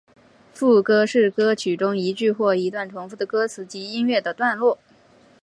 副歌是歌曲中一句或一段重复的歌词及音乐段落。